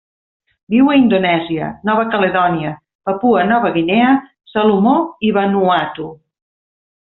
Viu a Indonèsia, Nova Caledònia, Papua Nova Guinea, Salomó i Vanuatu.